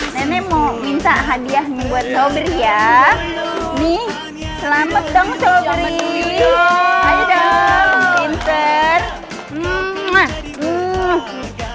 saya yang kasih nikahannya